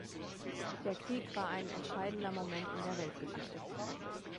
Der Krieg war ein entscheidender Moment in der Weltgeschichte.